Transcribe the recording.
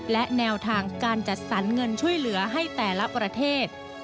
และแนวทางการจัดสรรเงินช่วยเหลือให้แต่ละประเทศ